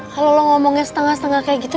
kalau lo ngomongnya setengah setengah kayak gitu